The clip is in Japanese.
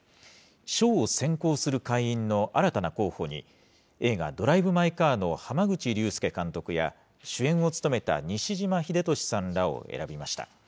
賞を選考する会員の新たな候補に、映画、ドライブ・マイ・カーの濱口竜介監督や、主演を務めた西島秀俊さんらを選びました。